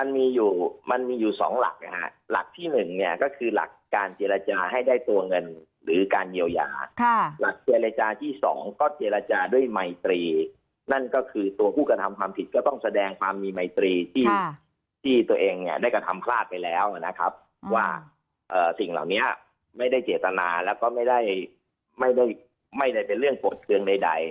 มันมีอยู่มันมีอยู่สองหลักนะฮะหลักที่หนึ่งเนี่ยก็คือหลักการเจรจาให้ได้ตัวเงินหรือการเยียวยาหลักเจรจาที่สองก็เจรจาด้วยไมตรีนั่นก็คือตัวผู้กระทำความผิดก็ต้องแสดงความมีมัยตรีที่ตัวเองเนี่ยได้กระทำพลาดไปแล้วนะครับว่าสิ่งเหล่านี้ไม่ได้เจตนาแล้วก็ไม่ได้ไม่ได้เป็นเรื่องโกรธเครื่องใด